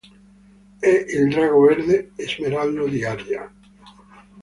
È il drago verde smeraldo di Arya.